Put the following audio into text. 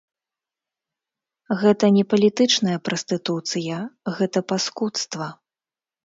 Гэта не палітычная прастытуцыя, гэта паскудства.